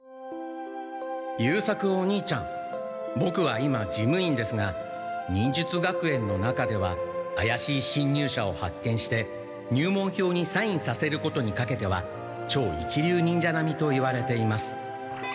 「優作お兄ちゃんボクは今事務員ですが忍術学園の中ではあやしい侵入者を発見して入門票にサインさせることにかけては超一流忍者なみといわれています」。